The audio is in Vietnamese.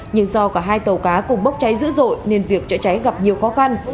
nhưng do cả hai tàu cá cùng bốc cháy dữ dội nên việc chữa cháy gặp nhiều khó khăn